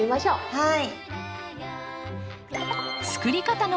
はい。